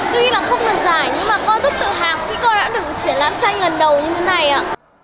tuy là không được giải nhưng mà con rất tự hào khi con đã được triển lãm tranh lần đầu như thế này ạ